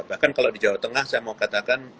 bahkan kalau di jawa tengah saya mau katakan